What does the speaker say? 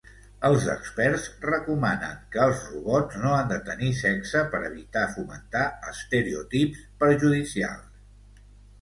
Els experts recomanen que els robots no han de tenir sexe per evitar fomentar estereotips perjudicials.